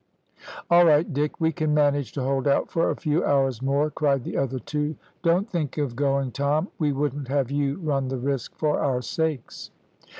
"`All right, Dick; we can manage to hold out for a few hours more,' cried the other two. `Don't think of going, Tom; we wouldn't have you run the risk for our sakes.'